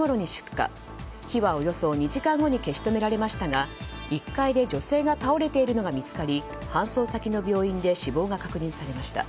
火はおよそ２時間後に消し止められましたが１階で女性が倒れているのが見つかり搬送先の病院で死亡が確認されました。